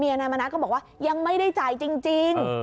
นายมณัฐก็บอกว่ายังไม่ได้จ่ายจริง